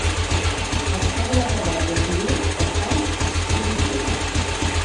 Es troba a la parròquia civil de Hythe i Dibden.